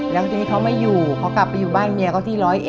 แล้วทีนี้เขาไม่อยู่เขากลับไปอยู่บ้านเมียเขาที่๑๐๑